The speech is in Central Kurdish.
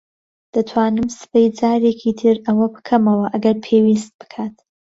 دەتوانم سبەی جارێکی تر ئەوە بکەمەوە ئەگەر پێویست بکات.